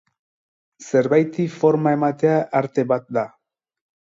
Zerbaiti forma ematea arte bat da.